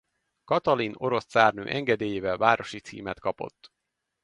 Katalin orosz cárnő engedélyével városi címet kapott.